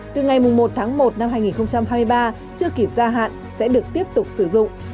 từ ngày một một hai nghìn hai mươi ba chưa kịp gia hạn sẽ được tiếp tục sử dụng